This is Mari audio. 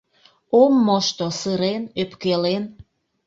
Ом мошто сырен, öпкелен.